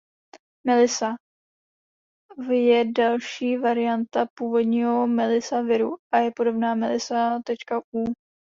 Melissa.V je další varianta původního Melissa viru a je podobná Melissa.U.